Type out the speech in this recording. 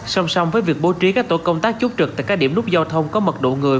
song song với việc bố trí các tổ công tác chốt trực tại các điểm nút giao thông có mật độ người